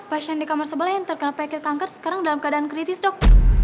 pasien di kamar sebelah yang terkena penyakit kanker sekarang dalam keadaan kritis dok